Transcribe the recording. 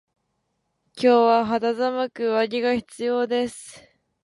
今日は肌寒く上着が必要です。